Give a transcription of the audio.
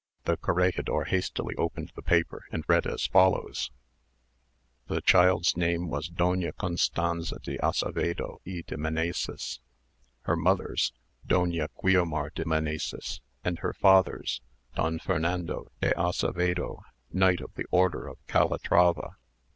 The corregidor hastily opened the paper, and read as follows:— "The child's name was Doña Constanza de Acevedo y de Menesis; her mother's, Doña Guiomar de Menesis; and her father's, D. Fernando de Acevedo, knight of the order of Calatrava.